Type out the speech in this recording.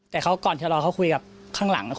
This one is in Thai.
แต่เขาก่อนจะรอเขาคุยกับข้างหลัง